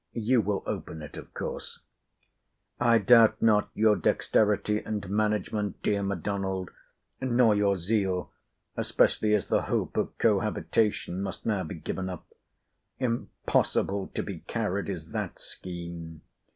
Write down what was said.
You will open it of course. * See the next Letter. I doubt not your dexterity and management, dear M'Donald; nor your zeal; especially as the hope of cohabitation must now be given up. Impossible to be carried is that scheme.